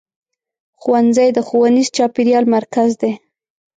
ښوونځی د ښوونیز چاپېریال مرکز دی.